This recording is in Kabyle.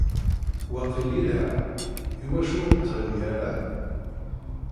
Waqil yelha. Iwacu ur nettɣimi ara?